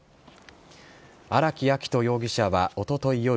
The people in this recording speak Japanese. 荒木秋冬容疑者はおととい